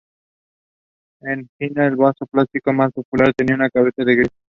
En Egina, el vaso plástico más popular tenía una cabeza de grifo.